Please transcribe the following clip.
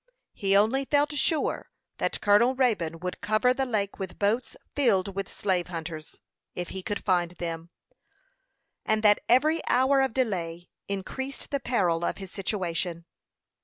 He only felt sure that Colonel Raybone would cover the lake with boats filled with slave hunters, if he could find them, and that every hour of delay increased the peril of his situation.